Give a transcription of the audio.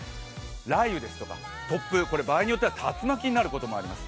雷雨ですとか、突風、これは場合によっては竜巻になることもあります。